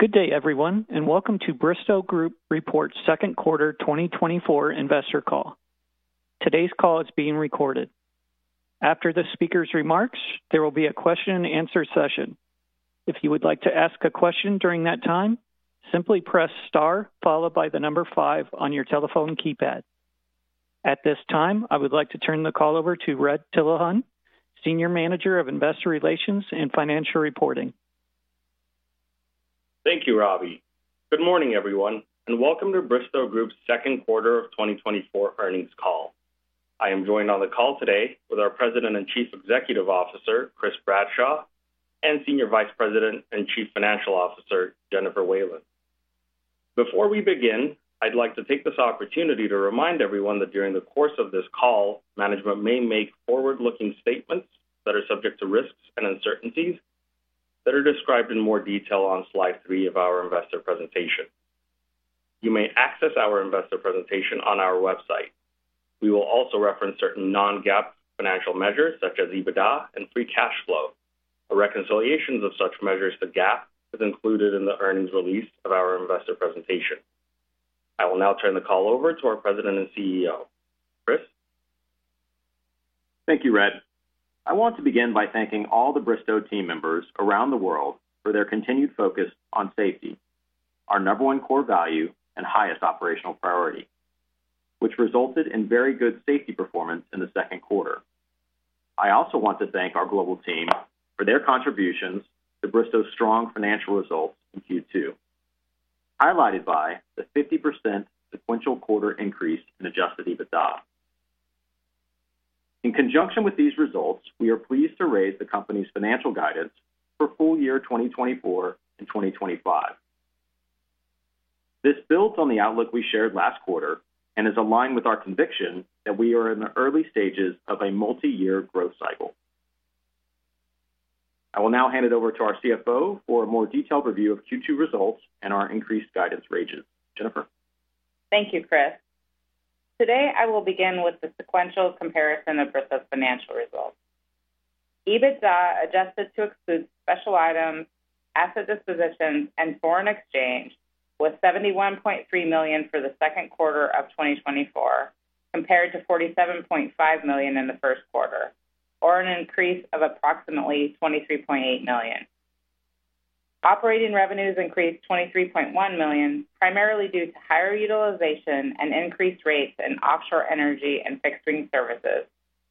Good day, everyone, and welcome to Bristow Group' Second Quarter 2024 Investor Call. Today's call is being recorded. After the speaker's remarks, there will be a question-and-answer session. If you would like to ask a question during that time, simply press star followed by the number five on your telephone keypad. At this time, I would like to turn the call over to Red Tilahun, Senior Manager of Investor Relations and Financial Reporting. Thank you, Robbie. Good morning, everyone, and welcome to Bristow Group's Second Quarter of 2024 Earnings Call. I am joined on the call today with our President and Chief Executive Officer, Chris Bradshaw, and Senior Vice President and Chief Financial Officer, Jennifer Whalen. Before we begin, I'd like to take this opportunity to remind everyone that during the course of this call, management may make forward-looking statements that are subject to risks and uncertainties that are described in more detail on Slide 3 of our investor presentation. You may access our investor presentation on our website. We will also reference certain non-GAAP financial measures such as EBITDA and free cash flow, a reconciliation of such measures to GAAP as included in the earnings release of our investor presentation. I will now turn the call over to our President and CEO, Chris. Thank you, Red. I want to begin by thanking all the Bristow team members around the world for their continued focus on safety, our number 1 core value and highest operational priority, which resulted in very good safety performance in the second quarter. I also want to thank our global team for their contributions to Bristow's strong financial results in Q2, highlighted by the 50% sequential quarter increase in Adjusted EBITDA. In conjunction with these results, we are pleased to raise the company's financial guidance for full year 2024 and 2025. This builds on the outlook we shared last quarter and is aligned with our conviction that we are in the early stages of a multi-year growth cycle. I will now hand it over to our CFO for a more detailed review of Q2 results and our increased guidance ranges. Jennifer. Thank you, Chris. Today, I will begin with the sequential comparison of Bristow's financial results. EBITDA adjusted to exclude special items, asset dispositions, and foreign exchange was $71.3 million for the second quarter of 2024, compared to $47.5 million in the first quarter, or an increase of approximately $23.8 million. Operating revenues increased $23.1 million, primarily due to higher utilization and increased rates in offshore energy and fixed-wing services,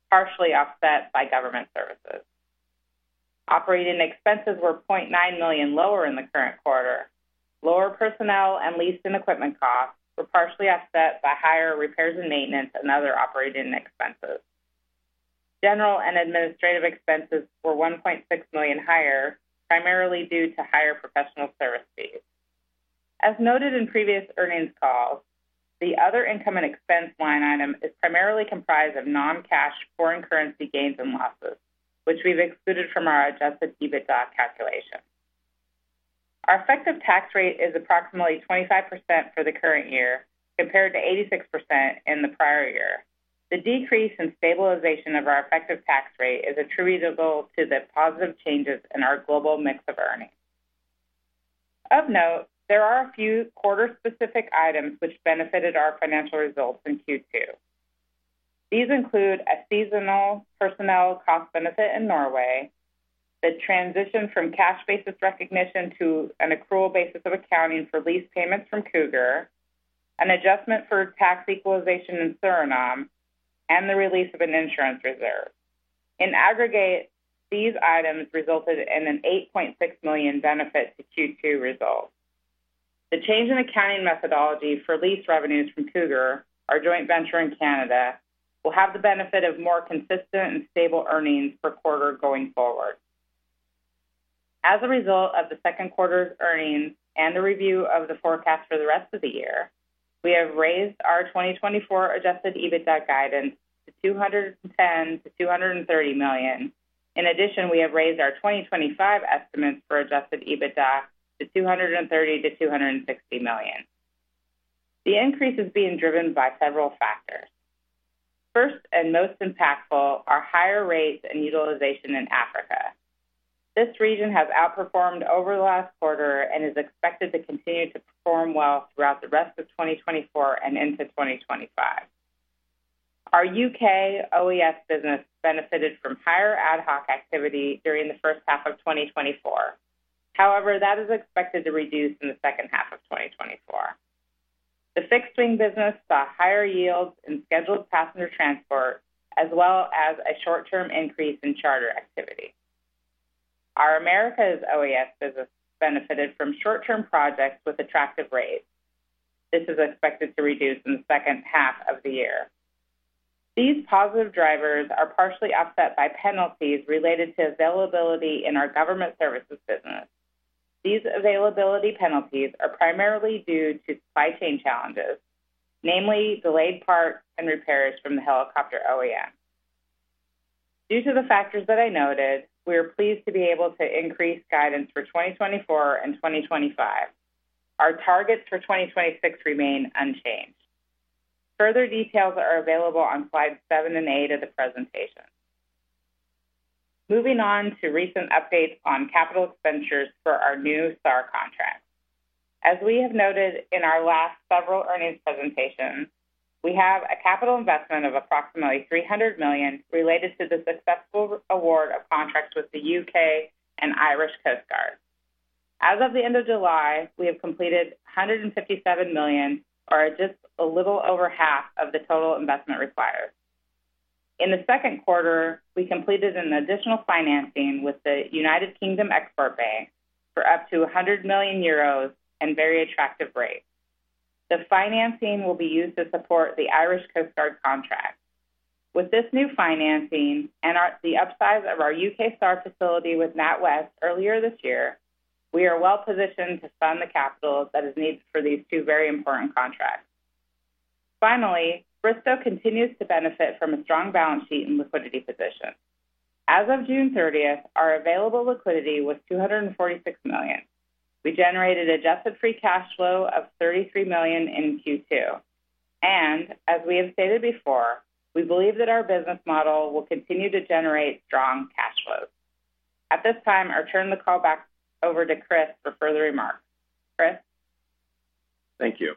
partially offset by government services. Operating expenses were $0.9 million lower in the current quarter. Lower personnel and lease and equipment costs were partially offset by higher repairs and maintenance and other operating expenses. General and administrative expenses were $1.6 million higher, primarily due to higher professional service fees. As noted in previous earnings calls, the other income and expense line item is primarily comprised of non-cash foreign currency gains and losses, which we've excluded from our adjusted EBITDA calculation. Our effective tax rate is approximately 25% for the current year, compared to 86% in the prior year. The decrease in stabilization of our effective tax rate is attributable to the positive changes in our global mix of earnings. Of note, there are a few quarter-specific items which benefited our financial results in Q2. These include a seasonal personnel cost benefit in Norway, the transition from cash basis recognition to an accrual basis of accounting for lease payments from Cougar, an adjustment for tax equalization in Suriname, and the release of an insurance reserve. In aggregate, these items resulted in an $8.6 million benefit to Q2 results. The change in accounting methodology for lease revenues from Cougar, our joint venture in Canada, will have the benefit of more consistent and stable earnings per quarter going forward. As a result of the second quarter's earnings and the review of the forecast for the rest of the year, we have raised our 2024 Adjusted EBITDA guidance to $210 million-$230 million. In addition, we have raised our 2025 estimates for Adjusted EBITDA to $230 million-$260 million. The increase is being driven by several factors. First and most impactful are higher rates and utilization in Africa. This region has outperformed over the last quarter and is expected to continue to perform well throughout the rest of 2024 and into 2025. Our UK OES business benefited from higher ad hoc activity during the first half of 2024. However, that is expected to reduce in the second half of 2024. The fixed-wing business saw higher yields in scheduled passenger transport, as well as a short-term increase in charter activity. Our Americas OES business benefited from short-term projects with attractive rates. This is expected to reduce in the second half of the year. These positive drivers are partially offset by penalties related to availability in our government services business. These availability penalties are primarily due to supply chain challenges, namely delayed parts and repairs from the helicopter OEM. Due to the factors that I noted, we are pleased to be able to increase guidance for 2024 and 2025. Our targets for 2026 remain unchanged. Further details are available on Slides 7 and 8 of the presentation. Moving on to recent updates on capital expenditures for our new SAR contracts. As we have noted in our last several earnings presentations, we have a capital investment of approximately $300 million related to the successful award of contracts with the UK and Irish Coast Guards. As of the end of July, we have completed $157 million, or just a little over half of the total investment required. In the second quarter, we completed an additional financing with the United Kingdom Export Bank for up to 100 million euros and very attractive rates. The financing will be used to support the Irish Coast Guard contract. With this new financing and the upsize of our UK SAR facility with NatWest earlier this year, we are well positioned to fund the capital that is needed for these two very important contracts. Finally, Bristow continues to benefit from a strong balance sheet and liquidity position. As of June 30th, our available liquidity was $246 million. We generated adjusted free cash flow of $33 million in Q2. As we have stated before, we believe that our business model will continue to generate strong cash flows. At this time, I'll turn the call back over to Chris for further remarks. Chris. Thank you.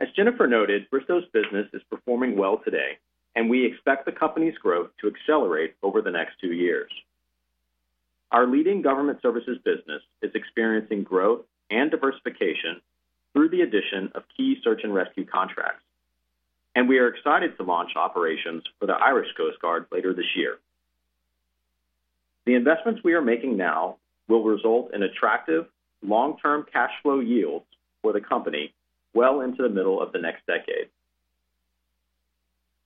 As Jennifer noted, Bristow's business is performing well today, and we expect the company's growth to accelerate over the next two years. Our leading government services business is experiencing growth and diversification through the addition of key search and rescue contracts, and we are excited to launch operations for the Irish Coast Guard later this year. The investments we are making now will result in attractive long-term cash flow yields for the company well into the middle of the next decade.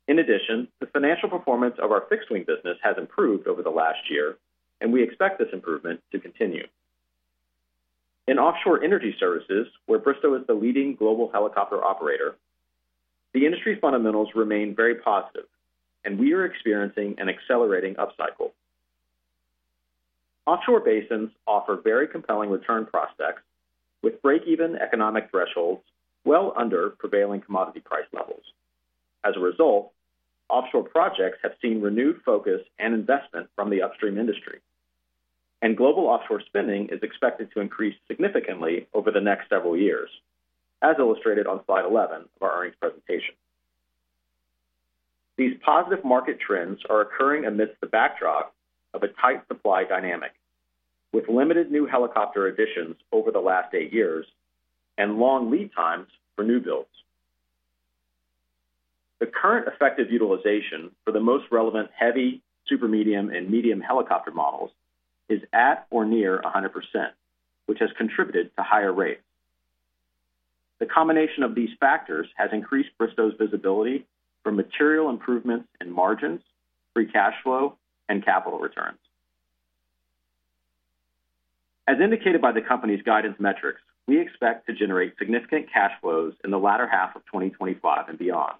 In addition, the financial performance of our fixed-wing business has improved over the last year, and we expect this improvement to continue. In offshore energy services, where Bristow is the leading global helicopter operator, the industry fundamentals remain very positive, and we are experiencing an accelerating upcycle. Offshore basins offer very compelling return prospects with break-even economic thresholds well under prevailing commodity price levels. As a result, offshore projects have seen renewed focus and investment from the upstream industry, and global offshore spending is expected to increase significantly over the next several years, as illustrated on Slide 11 of our earnings presentation. These positive market trends are occurring amidst the backdrop of a tight supply dynamic, with limited new helicopter additions over the last 8 years and long lead times for new builds. The current effective utilization for the most relevant heavy, super medium, and medium helicopter models is at or near 100%, which has contributed to higher rates. The combination of these factors has increased Bristow's visibility for material improvements in margins, free cash flow, and capital returns. As indicated by the company's guidance metrics, we expect to generate significant cash flows in the latter half of 2025 and beyond.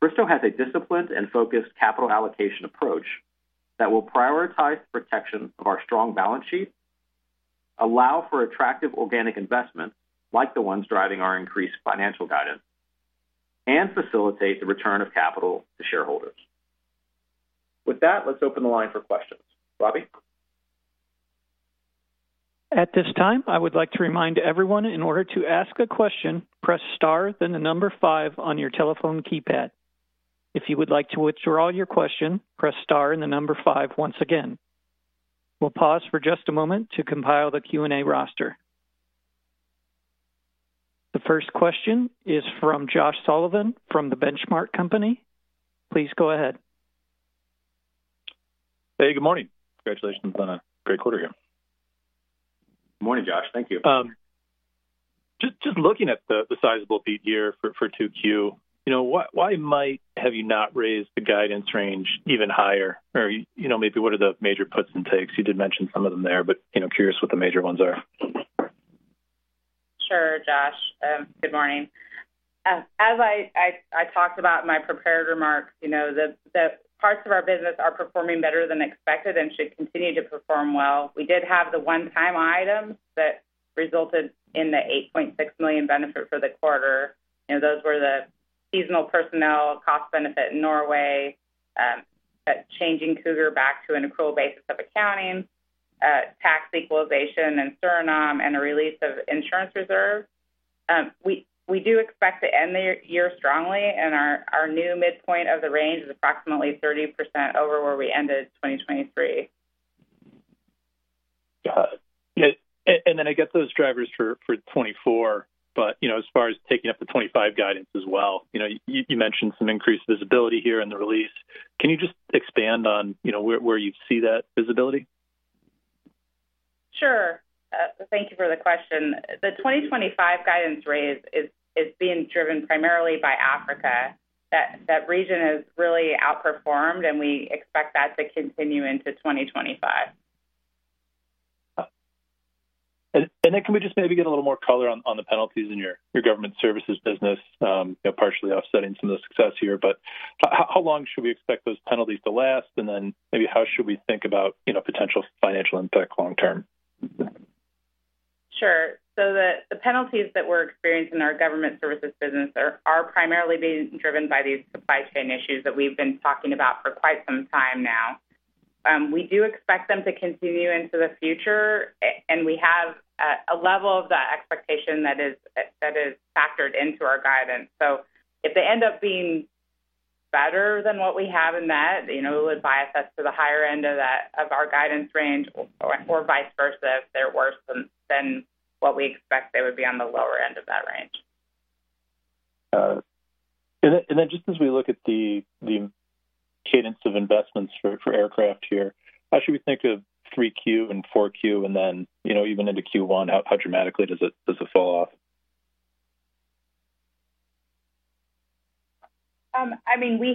Bristow has a disciplined and focused capital allocation approach that will prioritize the protection of our strong balance sheet, allow for attractive organic investment like the ones driving our increased financial guidance, and facilitate the return of capital to shareholders. With that, let's open the line for questions. Robbie? At this time, I would like to remind everyone in order to ask a question, press star then 5 on your telephone keypad. If you would like to withdraw your question, press star and 5 once again. We'll pause for just a moment to compile the Q&A roster. The first question is from Josh Sullivan from The Benchmark Company. Please go ahead. Hey, good morning. Congratulations on a great quarter here. Good morning, Josh. Thank you. Just looking at the sizable beat here for Q2, why might have you not raised the guidance range even higher? Or maybe what are the major puts and takes? You did mention some of them there, but curious what the major ones are. Sure, Josh. Good morning. As I talked about in my prepared remarks, the parts of our business are performing better than expected and should continue to perform well. We did have the one-time items that resulted in the $8.6 million benefit for the quarter. Those were the seasonal personnel cost benefit in Norway, changing Cougar back to an accrual basis of accounting, tax equalization in Suriname, and a release of insurance reserve. We do expect to end the year strongly, and our new midpoint of the range is approximately 30% over where we ended 2023. And then I get those drivers for 2024, but as far as taking up the 2025 guidance as well, you mentioned some increased visibility here in the release. Can you just expand on where you see that visibility? Sure. Thank you for the question. The 2025 guidance raise is being driven primarily by Africa. That region has really outperformed, and we expect that to continue into 2025. And then can we just maybe get a little more color on the penalties in your government services business, partially offsetting some of the success here? But how long should we expect those penalties to last? And then maybe how should we think about potential financial impact long-term? Sure. So the penalties that we're experiencing in our government services business are primarily being driven by these supply chain issues that we've been talking about for quite some time now. We do expect them to continue into the future, and we have a level of that expectation that is factored into our guidance. So if they end up being better than what we have in that, it would bias us to the higher end of our guidance range or vice versa if they're worse than what we expect they would be on the lower end of that range. Just as we look at the cadence of investments for aircraft here, how should we think of 3Q and 4Q and then even into Q1? How dramatically does it fall off? I mean, we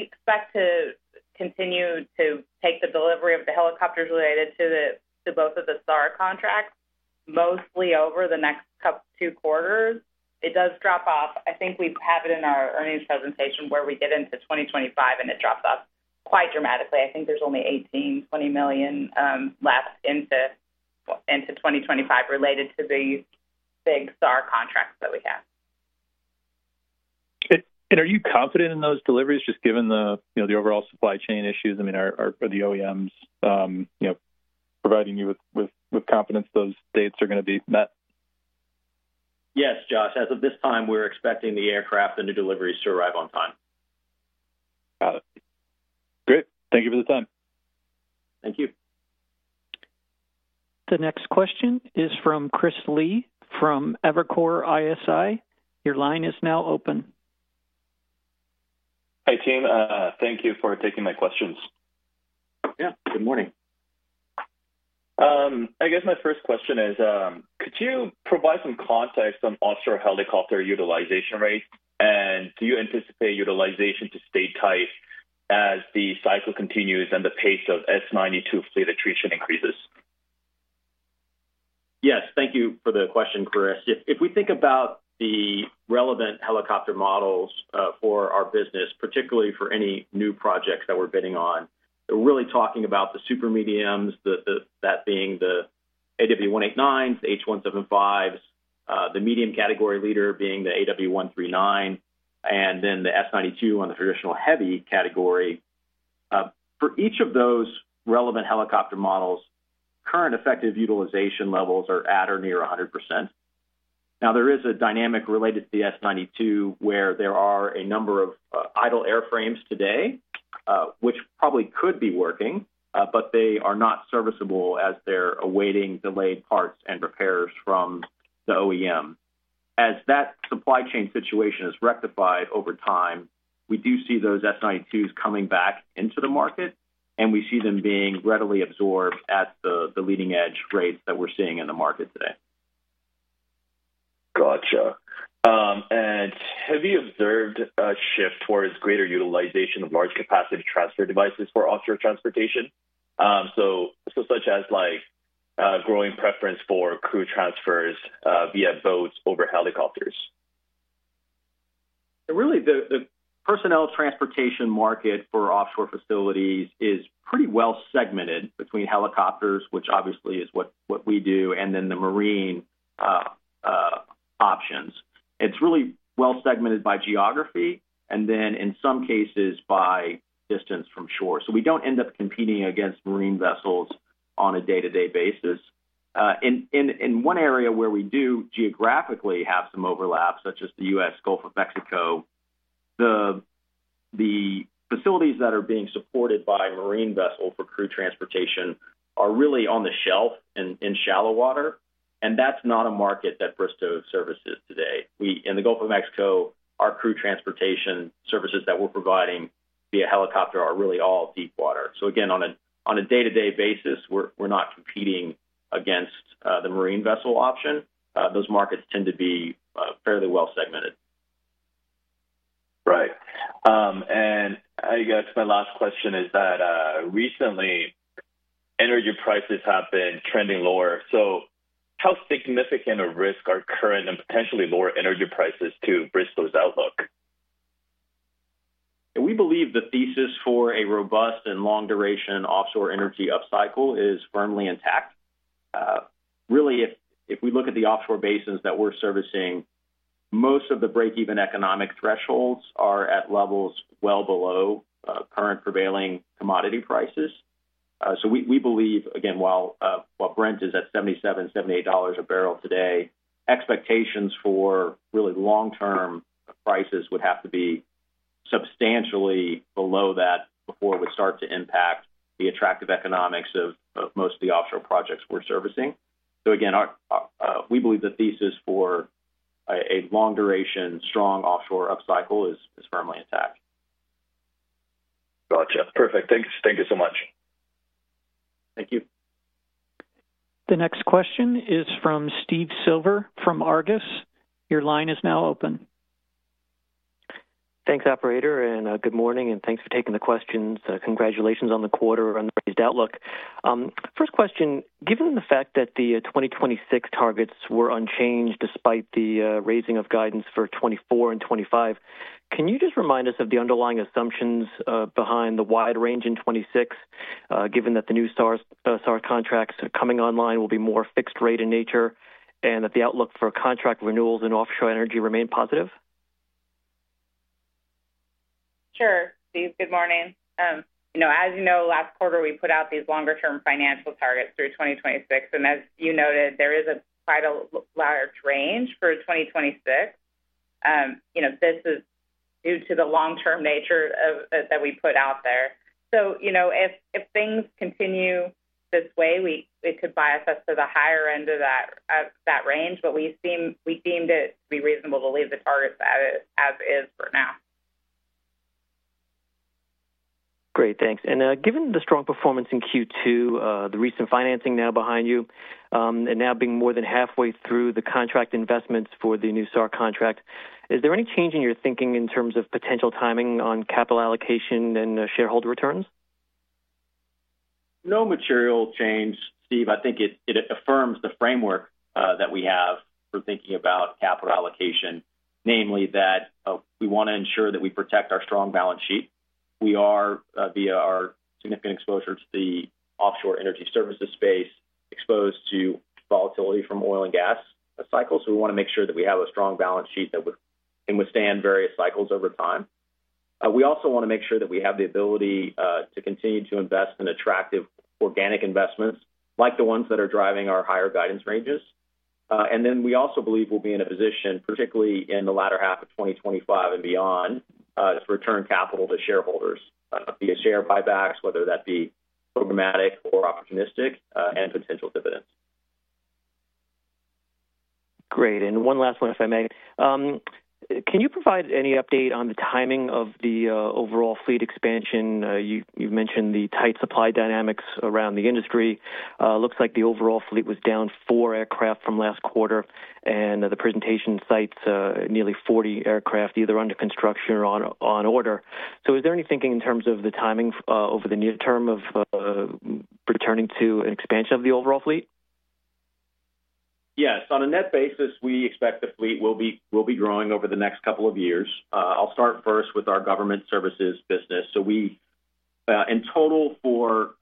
expect to continue to take the delivery of the helicopters related to both of the SAR contracts mostly over the next two quarters. It does drop off. I think we have it in our earnings presentation where we get into 2025, and it drops off quite dramatically. I think there's only $18-$20 million left into 2025 related to the big SAR contracts that we have. Are you confident in those deliveries just given the overall supply chain issues? I mean, are the OEMs providing you with confidence those dates are going to be met? Yes, Josh. As of this time, we're expecting the aircraft and the deliveries to arrive on time. Got it. Great. Thank you for the time. Thank you. The next question is from Chris Lee from Evercore ISI. Your line is now open. Hi, team. Thank you for taking my questions. Yeah. Good morning. I guess my first question is, could you provide some context on offshore helicopter utilization rate, and do you anticipate utilization to stay tight as the cycle continues and the pace of S-92 fleet attrition increases? Yes. Thank you for the question, Chris. If we think about the relevant helicopter models for our business, particularly for any new projects that we're bidding on, we're really talking about the super mediums, that being the AW189s, the H175s, the medium category leader being the AW139, and then the S-92 on the traditional heavy category. For each of those relevant helicopter models, current effective utilization levels are at or near 100%. Now, there is a dynamic related to the S-92 where there are a number of idle airframes today, which probably could be working, but they are not serviceable as they're awaiting delayed parts and repairs from the OEM. As that supply chain situation is rectified over time, we do see those S-92s coming back into the market, and we see them being readily absorbed at the leading-edge rates that we're seeing in the market today. Gotcha. Have you observed a shift towards greater utilization of large capacity transfer devices for offshore transportation, such as growing preference for crew transfers via boats over helicopters? Really, the personnel transportation market for offshore facilities is pretty well segmented between helicopters, which obviously is what we do, and then the marine options. It's really well segmented by geography and then, in some cases, by distance from shore. So we don't end up competing against marine vessels on a day-to-day basis. In one area where we do geographically have some overlap, such as the U.S. Gulf of Mexico, the facilities that are being supported by marine vessels for crew transportation are really on the shelf in shallow water, and that's not a market that Bristow services today. In the Gulf of Mexico, our crew transportation services that we're providing via helicopter are really all deep water. So again, on a day-to-day basis, we're not competing against the marine vessel option. Those markets tend to be fairly well segmented. Right. I guess my last question is that recently, energy prices have been trending lower. How significant a risk are current and potentially lower energy prices to Bristow's outlook? We believe the thesis for a robust and long-duration offshore energy upcycle is firmly intact. Really, if we look at the offshore basins that we're servicing, most of the break-even economic thresholds are at levels well below current prevailing commodity prices. So we believe, again, while Brent is at $77, $78 a barrel today, expectations for really long-term prices would have to be substantially below that before it would start to impact the attractive economics of most of the offshore projects we're servicing. So again, we believe the thesis for a long-duration, strong offshore upcycle is firmly intact. Gotcha. Perfect. Thank you so much. Thank you. The next question is from Steve Silver from Argus. Your line is now open. Thanks, operator. And good morning, and thanks for taking the questions. Congratulations on the quarter and the raised outlook. First question, given the fact that the 2026 targets were unchanged despite the raising of guidance for 2024 and 2025, can you just remind us of the underlying assumptions behind the wide range in 2026, given that the new SAR contracts coming online will be more fixed rate in nature and that the outlook for contract renewals in offshore energy remain positive? Sure. Steve, good morning. As you know, last quarter, we put out these longer-term financial targets through 2026. As you noted, there is quite a large range for 2026. This is due to the long-term nature that we put out there. So if things continue this way, it could bias us to the higher end of that range, but we deemed it to be reasonable to leave the targets as is for now. Great. Thanks. Given the strong performance in Q2, the recent financing now behind you, and now being more than halfway through the contract investments for the new SAR contract, is there any change in your thinking in terms of potential timing on capital allocation and shareholder returns? No material change. Steve, I think it affirms the framework that we have for thinking about capital allocation, namely that we want to ensure that we protect our strong balance sheet. We are, via our significant exposure to the offshore energy services space, exposed to volatility from oil and gas cycles. So we want to make sure that we have a strong balance sheet that can withstand various cycles over time. We also want to make sure that we have the ability to continue to invest in attractive organic investments like the ones that are driving our higher guidance ranges. And then we also believe we'll be in a position, particularly in the latter half of 2025 and beyond, to return capital to shareholders via share buybacks, whether that be programmatic or opportunistic, and potential dividends. Great. And one last one, if I may. Can you provide any update on the timing of the overall fleet expansion? You've mentioned the tight supply dynamics around the industry. Looks like the overall fleet was down four aircraft from last quarter, and the presentation cites nearly 40 aircraft, either under construction or on order. So is there any thinking in terms of the timing over the near term of returning to an expansion of the overall fleet? Yes. On a net basis, we expect the fleet will be growing over the next couple of years. I'll start first with our government services business. So in total for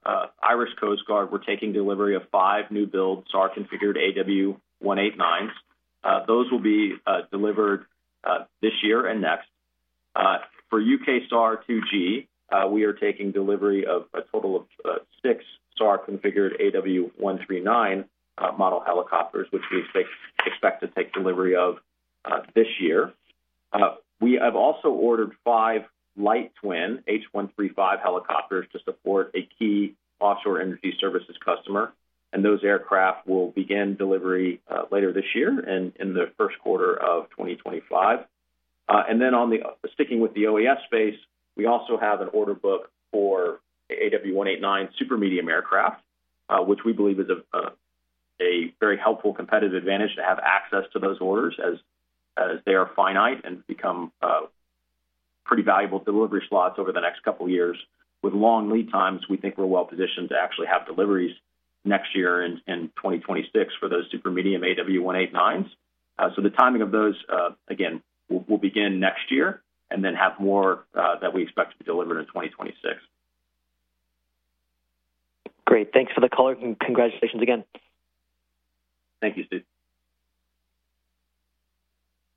Irish Coast Guard, we're taking delivery of 5 new-build SAR configured AW189s. Those will be delivered this year and next. For UK SAR 2G, we are taking delivery of a total of 6 SAR configured AW139 model helicopters, which we expect to take delivery of this year. We have also ordered 5 light twin H135 helicopters to support a key offshore energy services customer. And those aircraft will begin delivery later this year and in the first quarter of 2025. And then sticking with the OES space, we also have an order book for AW189 super medium aircraft, which we believe is a very helpful competitive advantage to have access to those orders as they are finite and become pretty valuable delivery slots over the next couple of years. With long lead times, we think we're well positioned to actually have deliveries next year and in 2026 for those super medium AW189s. So the timing of those, again, will begin next year and then have more that we expect to be delivered in 2026. Great. Thanks for the call, and congratulations again. Thank you, Steve.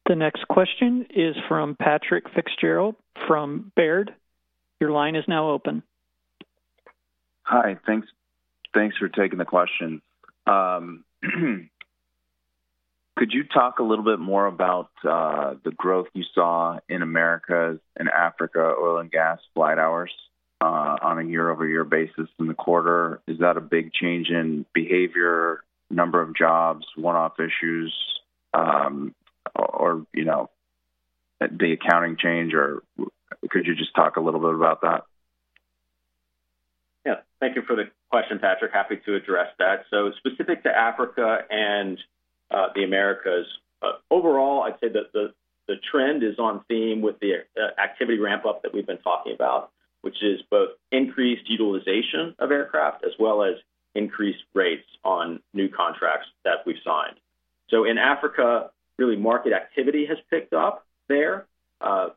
The next question is from Patrick Fitzgerald from Baird. Your line is now open. Hi. Thanks for taking the question. Could you talk a little bit more about the growth you saw in the Americas and Africa oil and gas flight hours on a year-over-year basis in the quarter? Is that a big change in behavior, number of jobs, one-off issues, or the accounting change? Or could you just talk a little bit about that? Yeah. Thank you for the question, Patrick. Happy to address that. So specific to Africa and the Americas, overall, I'd say that the trend is on theme with the activity ramp-up that we've been talking about, which is both increased utilization of aircraft as well as increased rates on new contracts that we've signed. So in Africa, really, market activity has picked up there.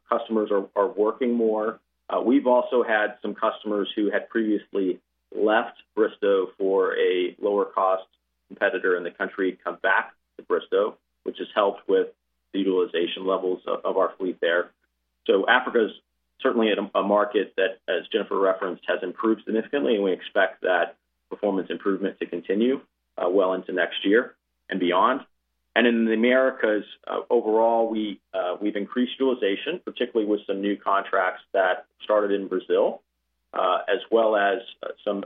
Customers are working more. We've also had some customers who had previously left Bristow for a lower-cost competitor in the country come back to Bristow, which has helped with the utilization levels of our fleet there. So Africa is certainly a market that, as Jennifer referenced, has improved significantly, and we expect that performance improvement to continue well into next year and beyond. In the Americas, overall, we've increased utilization, particularly with some new contracts that started in Brazil, as well as some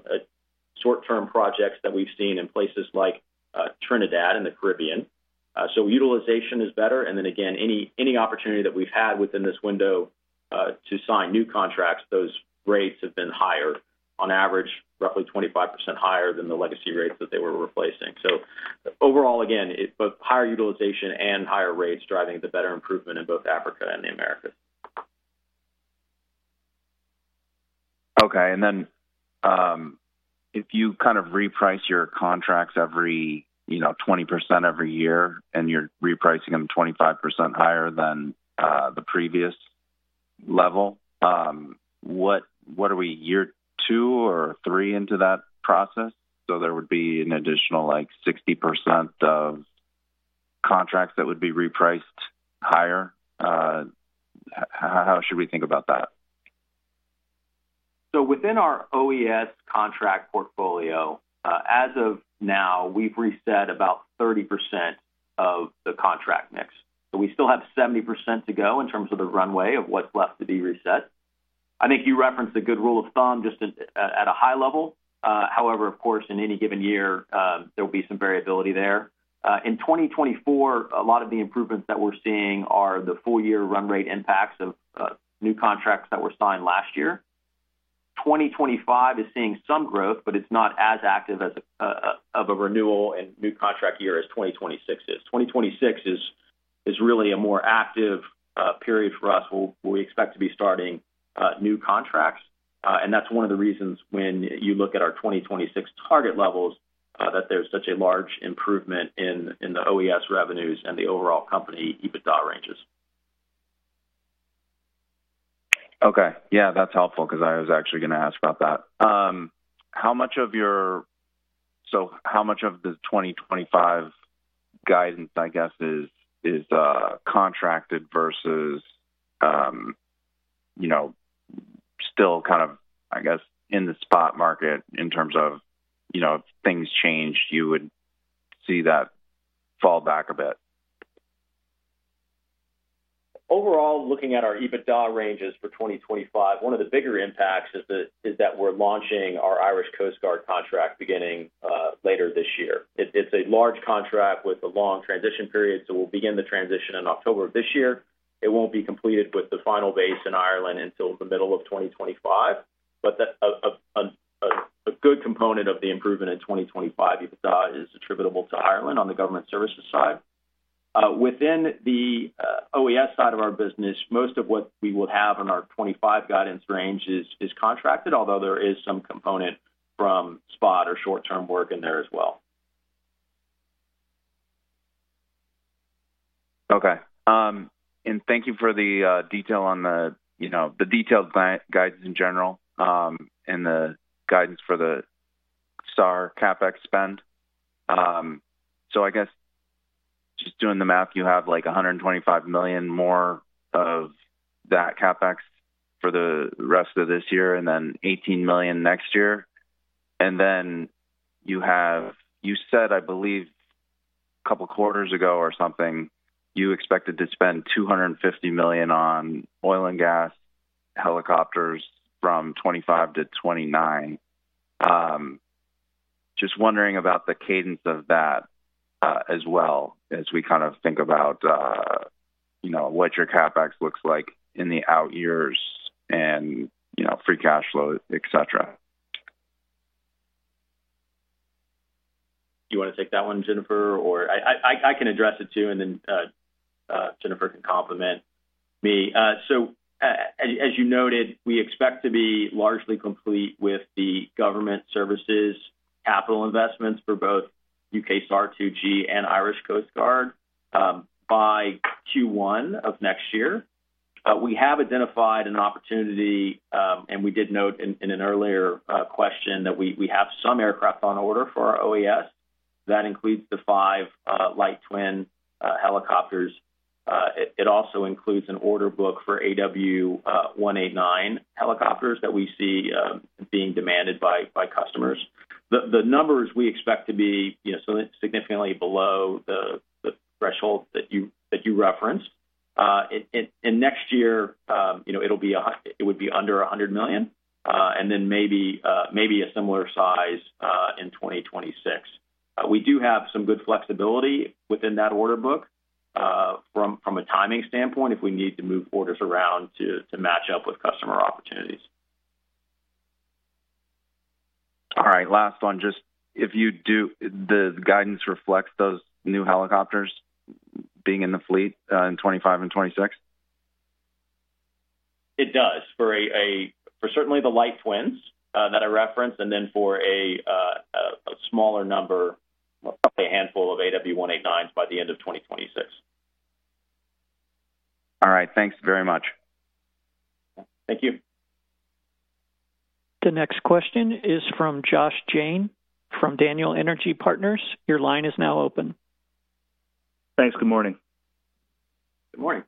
short-term projects that we've seen in places like Trinidad and the Caribbean. Utilization is better. Then, again, any opportunity that we've had within this window to sign new contracts, those rates have been higher, on average, roughly 25% higher than the legacy rates that they were replacing. Overall, again, both higher utilization and higher rates driving the better improvement in both Africa and the Americas. Okay. And then if you kind of reprice your contracts every 20% every year and you're repricing them 25% higher than the previous level, what are we year 2 or 3 into that process? So there would be an additional 60% of contracts that would be repriced higher. How should we think about that? Within our OES contract portfolio, as of now, we've reset about 30% of the contract mix. We still have 70% to go in terms of the runway of what's left to be reset. I think you referenced a good rule of thumb just at a high level. However, of course, in any given year, there will be some variability there. In 2024, a lot of the improvements that we're seeing are the full-year run rate impacts of new contracts that were signed last year. 2025 is seeing some growth, but it's not as active of a renewal and new contract year as 2026 is. 2026 is really a more active period for us where we expect to be starting new contracts. That's one of the reasons when you look at our 2026 target levels that there's such a large improvement in the OES revenues and the overall company EBITDA ranges. Okay. Yeah. That's helpful because I was actually going to ask about that. So how much of the 2025 guidance, I guess, is contracted versus still kind of, I guess, in the spot market in terms of if things change, you would see that fall back a bit? Overall, looking at our EBITDA ranges for 2025, one of the bigger impacts is that we're launching our Irish Coast Guard contract beginning later this year. It's a large contract with a long transition period. So we'll begin the transition in October of this year. It won't be completed with the final base in Ireland until the middle of 2025. But a good component of the improvement in 2025 EBITDA is attributable to Ireland on the government services side. Within the OES side of our business, most of what we will have in our 2025 guidance range is contracted, although there is some component from spot or short-term work in there as well. Okay. And thank you for the detail on the detailed guidance in general and the guidance for the SAR CapEx spend. So I guess just doing the math, you have like $125 million more of that CapEx for the rest of this year and then $18 million next year. And then you said, I believe, a couple of quarters ago or something, you expected to spend $250 million on oil and gas helicopters from 2025 to 2029. Just wondering about the cadence of that as well as we kind of think about what your CapEx looks like in the out years and free cash flow, etc. Do you want to take that one, Jennifer? Or I can address it too, and then Jennifer can complement me. So as you noted, we expect to be largely complete with the government services capital investments for both UK SAR 2G and Irish Coast Guard by Q1 of next year. We have identified an opportunity, and we did note in an earlier question that we have some aircraft on order for our OES. That includes the 5 light twin helicopters. It also includes an order book for AW189 helicopters that we see being demanded by customers. The numbers we expect to be significantly below the threshold that you referenced. In next year, it would be under $100 million, and then maybe a similar size in 2026. We do have some good flexibility within that order book from a timing standpoint if we need to move orders around to match up with customer opportunities. All right. Last one. Just if you do, does the guidance reflect those new helicopters being in the fleet in 2025 and 2026? It does, for certainly the light twins that I referenced, and then for a smaller number, a handful of AW189s by the end of 2026. All right. Thanks very much. Thank you. The next question is from Josh Jayne from Daniel Energy Partners. Your line is now open. Thanks. Good morning. Good morning.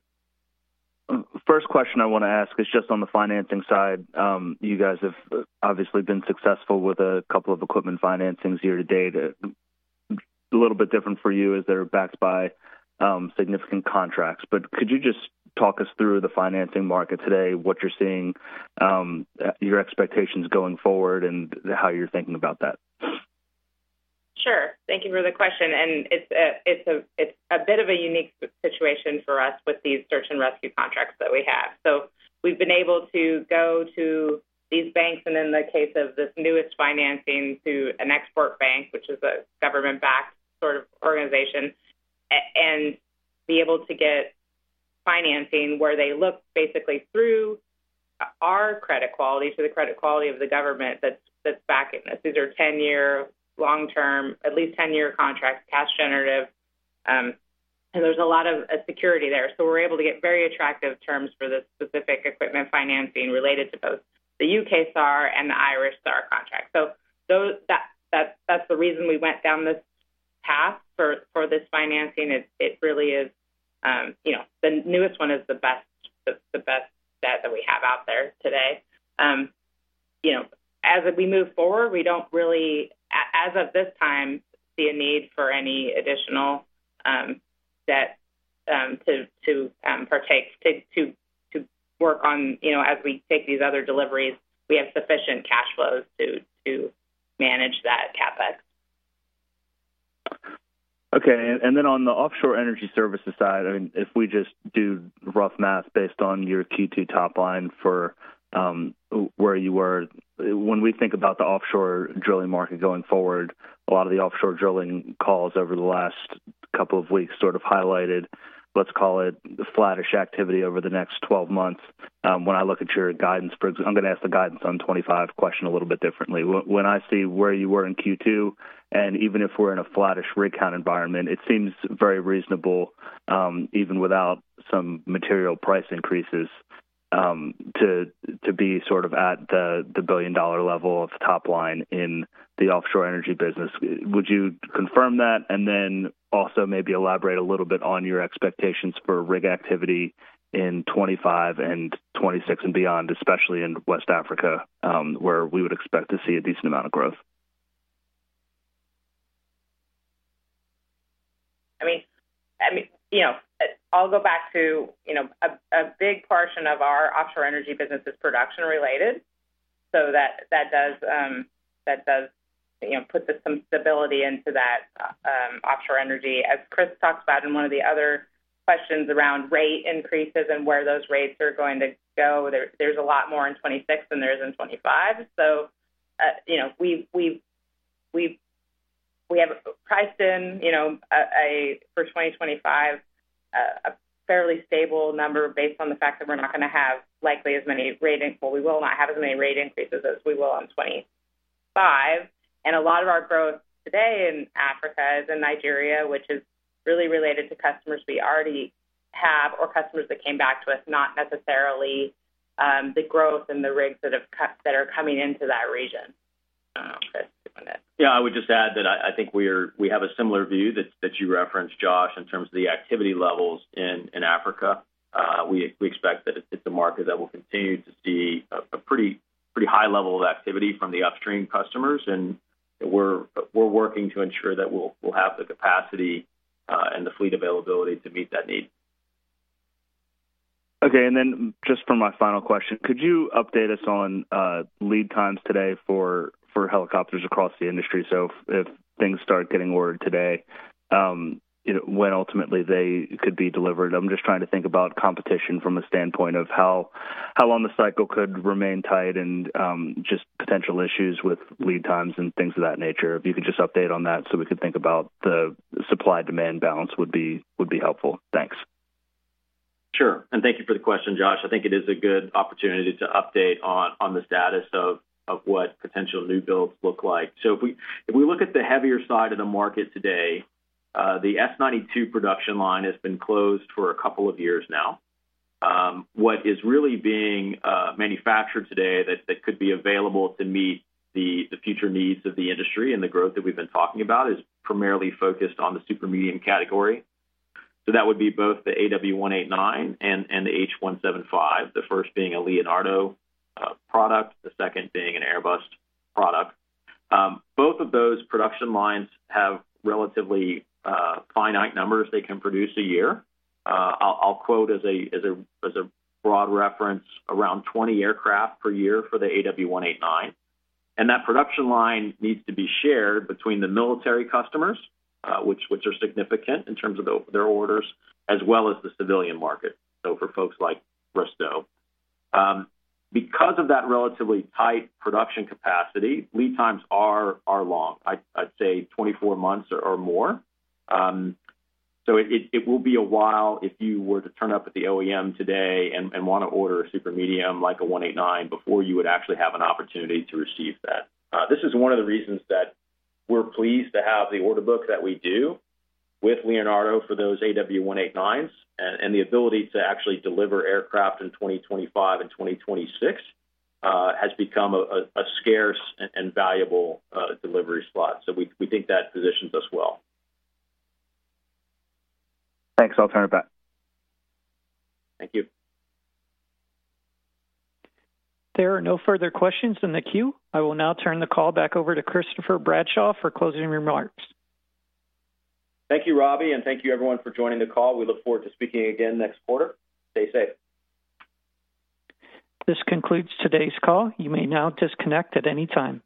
First question I want to ask is just on the financing side. You guys have obviously been successful with a couple of equipment financings year to date. A little bit different for you as they're backed by significant contracts. But could you just talk us through the financing market today, what you're seeing, your expectations going forward, and how you're thinking about that? Sure. Thank you for the question. It's a bit of a unique situation for us with these search and rescue contracts that we have. We've been able to go to these banks and, in the case of this newest financing, to an export bank, which is a government-backed sort of organization, and be able to get financing where they look basically through our credit quality to the credit quality of the government that's backing this. These are 10-year, long-term, at least 10-year contracts, cash-generative. There's a lot of security there. We're able to get very attractive terms for this specific equipment financing related to both the U.K. SAR and the Irish SAR contract. That's the reason we went down this path for this financing. It really is the newest one is the best bet that we have out there today. As we move forward, we don't really, as of this time, see a need for any additional debt to partake to work on as we take these other deliveries. We have sufficient cash flows to manage that CapEx. Okay. And then on the offshore energy services side, I mean, if we just do rough math based on your Q2 top line for where you were, when we think about the offshore drilling market going forward, a lot of the offshore drilling calls over the last couple of weeks sort of highlighted, let's call it, flat-ish activity over the next 12 months. When I look at your guidance, I'm going to ask the guidance on 2025 question a little bit differently. When I see where you were in Q2, and even if we're in a flat-ish rig count environment, it seems very reasonable, even without some material price increases, to be sort of at the billion-dollar level of top line in the offshore energy business. Would you confirm that and then also maybe elaborate a little bit on your expectations for rig activity in 2025 and 2026 and beyond, especially in West Africa, where we would expect to see a decent amount of growth? I mean, I'll go back to a big portion of our offshore energy business is production-related. So that does put some stability into that offshore energy. As Chris talked about in one of the other questions around rate increases and where those rates are going to go, there's a lot more in 2026 than there is in 2025. So we have priced in for 2025 a fairly stable number based on the fact that we're not going to have likely as many rate well, we will not have as many rate increases as we will in 2025. And a lot of our growth today in Africa is in Nigeria, which is really related to customers we already have or customers that came back to us, not necessarily the growth and the rigs that are coming into that region. Yeah. I would just add that I think we have a similar view that you referenced, Josh, in terms of the activity levels in Africa. We expect that it's a market that will continue to see a pretty high level of activity from the upstream customers. We're working to ensure that we'll have the capacity and the fleet availability to meet that need. Okay. And then just for my final question, could you update us on lead times today for helicopters across the industry? So if things start getting ordered today, when ultimately they could be delivered? I'm just trying to think about competition from a standpoint of how long the cycle could remain tight and just potential issues with lead times and things of that nature. If you could just update on that so we could think about the supply-demand balance, that would be helpful. Thanks. Sure. And thank you for the question, Josh. I think it is a good opportunity to update on the status of what potential new builds look like. So if we look at the heavier side of the market today, the S-92 production line has been closed for a couple of years now. What is really being manufactured today that could be available to meet the future needs of the industry and the growth that we've been talking about is primarily focused on the super medium category. So that would be both the AW189 and the H175, the first being a Leonardo product, the second being an Airbus product. Both of those production lines have relatively finite numbers they can produce a year. I'll quote as a broad reference, around 20 aircraft per year for the AW189. That production line needs to be shared between the military customers, which are significant in terms of their orders, as well as the civilian market, so for folks like Bristow. Because of that relatively tight production capacity, lead times are long, I'd say 24 months or more. So it will be a while if you were to turn up at the OEM today and want to order a super medium like an AW189 before you would actually have an opportunity to receive that. This is one of the reasons that we're pleased to have the order book that we do with Leonardo for those AW189s. And the ability to actually deliver aircraft in 2025 and 2026 has become a scarce and valuable delivery slot. So we think that positions us well. Thanks. I'll turn it back. Thank you. There are no further questions in the queue. I will now turn the call back over to Christopher Bradshaw for closing remarks. Thank you, Robbie, and thank you, everyone, for joining the call. We look forward to speaking again next quarter. Stay safe. This concludes today's call. You may now disconnect at any time.